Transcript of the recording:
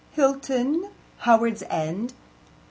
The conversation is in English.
Hilton. Howards End.